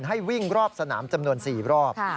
ให้วิ่งรอบสนามจำนวน๔รอบ